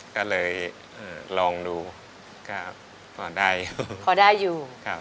ก็เลยลองดูก็พอได้พอได้อยู่ครับ